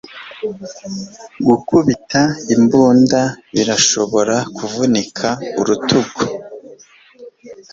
Gukubita imbunda birashobora kuvunika urutugu.